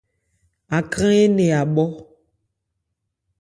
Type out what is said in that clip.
Akrân énɛn a bhɔ.